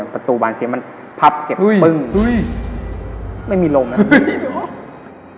ประตูบานเสียงมันพับเก็บปึ้งไม่มีลมนะ